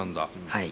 はい。